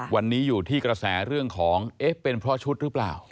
วันนี้อยู่ที่กระแสเรื่องของเอ๊ะเป็นเพราะชุดหรือเปล่า